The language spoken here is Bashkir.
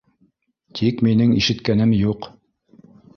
Тик минең ишеткәнем юҡ